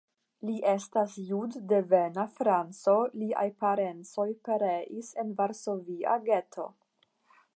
Li estas jud-devena franco, liaj parencoj pereis en Varsovia geto.